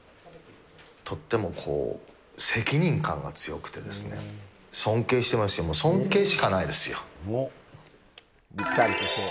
とっても責任感が強くてですね、尊敬してますよ、尊敬しかないですよ。